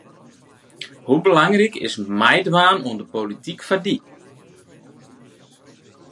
Hoe belangryk is meidwaan oan polityk foar dy?